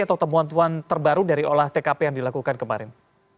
atau temuan temuan terbaru dari olah tkp yang dilakukan kemarin